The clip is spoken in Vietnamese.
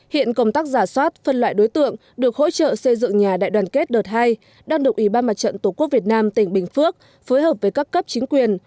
hiện công tác giả soát phân loại đối tượng được hỗ trợ xây dựng nhà đại đoàn kết đợt hai đang được ủy ban mặt trận tổ quốc việt nam tỉnh bình phước phối hợp với các cấp chính quyền